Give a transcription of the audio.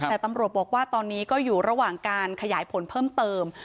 แต่ตำรวจบอกว่าตอนนี้ก็อยู่ระหว่างการขยายผลเพิ่มเติม